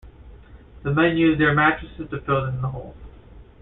The men used their mattresses to fill the hole.